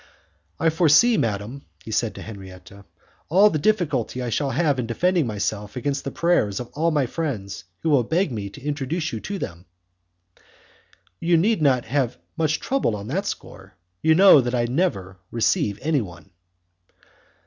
"I foresee, madam," he said to Henriette, "all the difficulty I shall have in defending myself against the prayers of all my friends, who will beg of me to introduce them to you." "You need not have much trouble on that score: you know that I never, receive anyone."